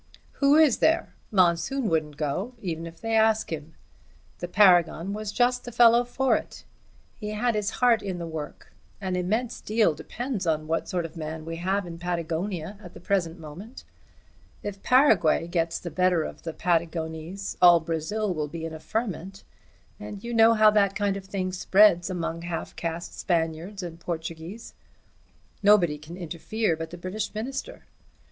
"Who is there? Monsoon won't go, even if they ask him. The Paragon was just the fellow for it. He had his heart in the work. An immense deal depends on what sort of man we have in Patagonia at the present moment. If Paraguay gets the better of the Patagonese all Brazil will be in a ferment, and you know how that kind of thing spreads among half caste Spaniards and Portuguese. Nobody can interfere but the British Minister.